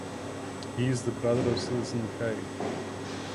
He is the brother of Citizen Kay.